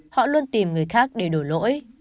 họ luôn tìm người khác để đổ lỗi